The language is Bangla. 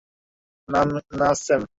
না, স্যাম!